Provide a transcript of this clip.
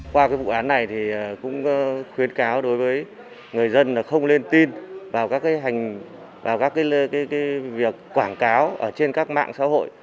qua vụ án này thì cũng khuyến cáo đối với người dân là không nên tin vào việc quảng cáo trên các mạng xã hội